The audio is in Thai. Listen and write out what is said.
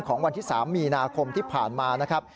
วันที่๓มีนาคมที่ผ่านมานะครับ